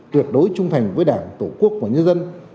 tuyệt đối trung thành với đảng tổ quốc và nhân dân